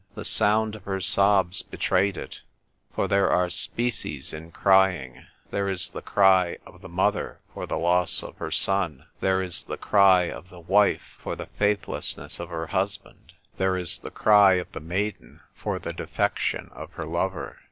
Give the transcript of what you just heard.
The sound of her sobs betrayed it. For there are species in crying. There is the cry of the mother for the loss of her son ; "WHEREFORE ART THOU ROMEO?" 23 1 there is the cry of the wife for the faith lessness of her husband ; there is the cry of the maiden for the defection of her lover.